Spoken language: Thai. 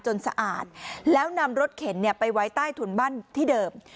สะอาดแล้วนำรถเข็นไปไว้ใต้ถุนบ้านที่เดิม